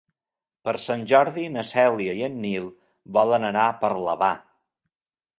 Per Sant Jordi na Cèlia i en Nil volen anar a Parlavà.